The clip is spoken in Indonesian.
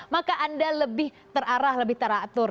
maka anda lebih terarah lebih teratur